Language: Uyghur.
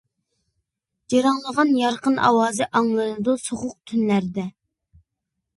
جىرىڭلىغان يارقىن ئاۋازى، ئاڭلىنىدۇ سوغۇق تۈنلەردە.